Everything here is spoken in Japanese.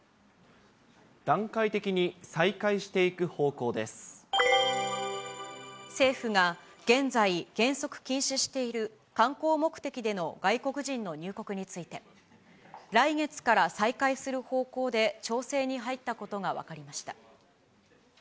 段階的に再開していく方向で政府が現在、原則禁止している観光目的での外国人の入国について、来月から再開する方向で調整に入ったことが分かりました。